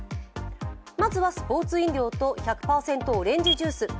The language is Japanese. まずはスポーツ飲料と１００％オレンジジュース。